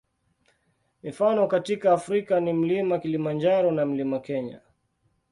Mifano katika Afrika ni Mlima Kilimanjaro na Mlima Kenya.